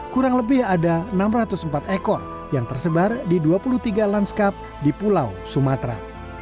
kurang lebih ada enam ratus empat ekor yang tersebar di dua puluh tiga lanskap di pulau sumatera